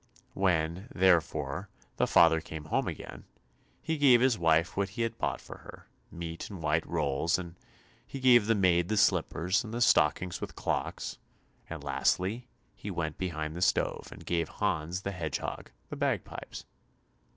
When, therefore, the father came home again, he gave his wife what he had bought for her; meat and white rolls, and then he gave the maid the slippers, and the stockings with clocks; and, lastly, he went behind the stove, and gave Hans the Hedgehog the bagpipes.